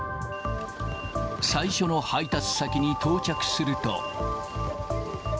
最初の配達先に到着すると。